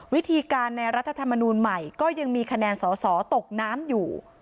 วิธีการในรัฐธรรมนูลใหม่ก็ยังมีคะแนนสอสอตกน้ำอยู่